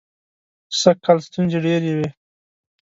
سږکال ستونزې ډېرې وې.